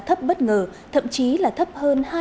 thấp bất ngờ thậm chí là thấp hơn